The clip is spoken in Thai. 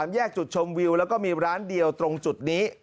แยกจุดชมวิวแล้วก็มีร้านเดียวตรงจุดนี้